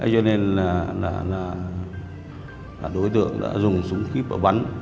cho nên là đối tượng đã dùng súng kíp và bắn